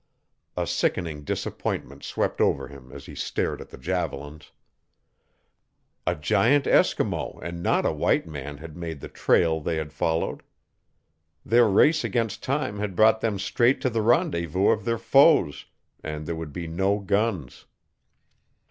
A sickening disappointment swept over him as he stared at the javelins. A giant Eskimo and not a white man had made the trail they had followed. Their race against time had brought them straight to the rendezvous of their foes and there would be no guns.